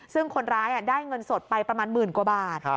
ซึ่งคนร้ายได้เงินสดไปประมาณหมื่นกว่าบาท